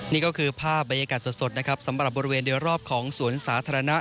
นี่ก็คือภาพบรรยากาศสดนะครับสำหรับบริเวณเดียวรอบของสวนสาธารณะ